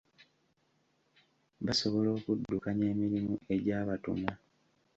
Basobola okuddukanya emirimu egyabatumwa.